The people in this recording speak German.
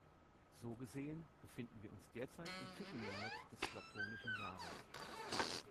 So gesehen befinden wir uns derzeit im Fische-Monat des Platonischen Jahres.